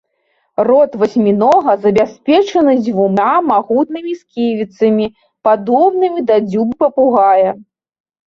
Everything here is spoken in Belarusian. Рот васьмінога забяспечаны дзвюма магутнымі сківіцамі, падобнымі да дзюбы папугая.